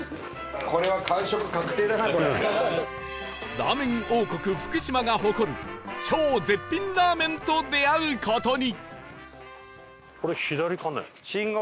ラーメン王国福島が誇る超絶品ラーメンと出会う事に